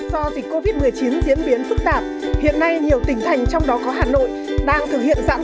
do dịch covid một mươi chín diễn biến phức tạp hiện nay nhiều tỉnh thành trong đó có hà nội đang thực hiện giãn